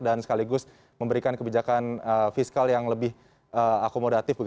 dan sekaligus memberikan kebijakan fiskal yang lebih akomodatif